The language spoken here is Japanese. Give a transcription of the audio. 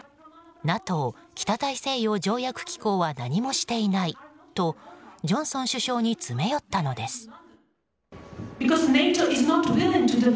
ＮＡＴＯ・北大西洋条約機構は何もしていないとジョンソン首相に詰め寄ったのです。